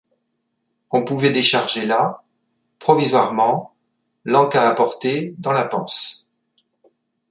On pouvait décharger là, provisoirement, l’en-cas apporté dans la panse.